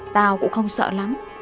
tao cũng không sợ lắm